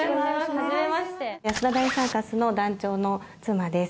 はじめまして安田大サーカスの団長の妻です